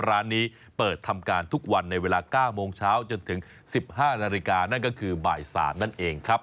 ร้านนี้เปิดทำการทุกวันในเวลา๙โมงเช้าจนถึง๑๕นาฬิกานั่นก็คือบ่าย๓นั่นเองครับ